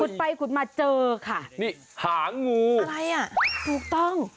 ไปขุดมาเจอค่ะนี่หางูอะไรอ่ะถูกต้อง